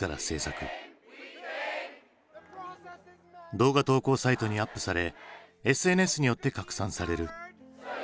動画投稿サイトにアップされＳＮＳによって拡散される。